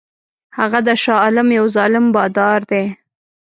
هغه د شاه عالم یو ظالم بادار دی.